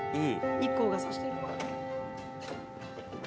「日光が差してるわ」